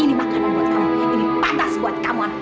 ini makanan buat kamu ini patas buat kamu anak